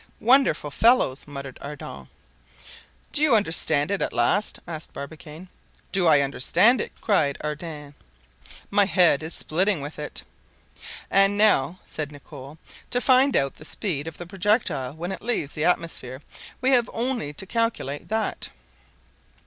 "Wonderful fellows!" muttered Ardan. "Do you understand it at last?" asked Barbicane. "Do I understand it?" cried Ardan; "my head is splitting with it." "And now," said Nicholl, "to find out the speed of the projectile when it leaves the atmosphere, we have only to calculate that."